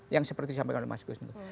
yang seperti yang sudah saya katakan